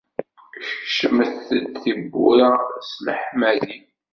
Kecmet-d tiwwura-s s leḥmadi!